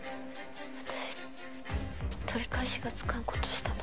私取り返しがつかんことしたの？